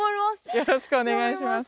よろしくお願いします。